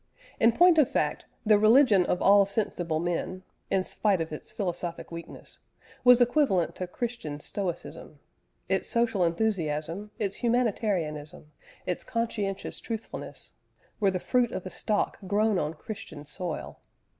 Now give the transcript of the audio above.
In point of fact, "the religion of all sensible men" (in spite of its philosophic weakness) was equivalent to Christian stoicism; its social enthusiasm, its humanitarianism, its conscientious truthfulness, were the fruit of a stock grown on Christian soil.